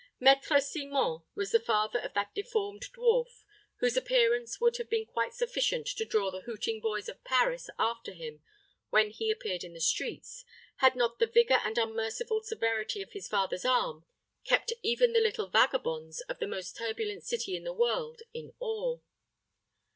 Maître Simon was the father of that deformed dwarf, whose appearance would have been quite sufficient to draw the hooting boys of Paris after him when he appeared in the streets, had not the vigor and unmerciful severity of his father's arm kept even the little vagabonds of the most turbulent city in the world in awe.